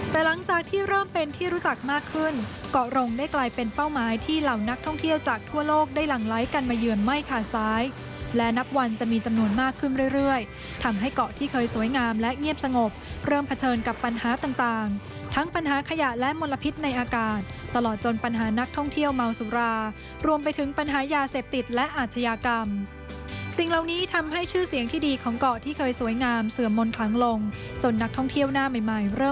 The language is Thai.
แต่หลังจากที่เริ่มเป็นที่รู้จักมากขึ้นเกาะโรงได้กลายเป็นเป้าหมายที่เหล่านักท่องเที่ยวจากทั่วโลกได้หลังไลท์กันมายื่นไหม้ขาดซ้ายและนับวันจะมีจำนวนมากขึ้นเรื่อยทำให้เกาะที่เคยสวยงามและเงียบสงบเริ่มเผชิญกับปัญหาต่างทั้งปัญหาขยะและมลพิษในอากาศตลอดจนปัญหานักท่องเที่ยวเม